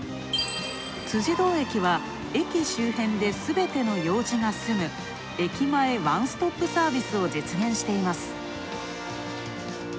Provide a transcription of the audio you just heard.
辻堂駅は駅周辺ですべての用事が済む、駅前ワンストップサービスを実現しています。